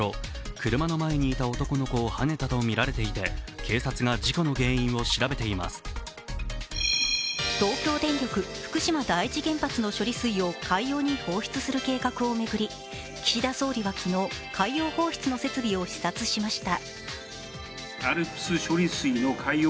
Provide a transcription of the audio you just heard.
車の前にいた男の子をはねたとみられていて、東京電力福島第一原発の処理水を海洋に放出する計画を巡り、岸田総理は昨日、海洋放出の設備を視察しました。